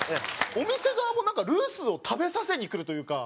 お店側もなんかルースを食べさせにくるというか。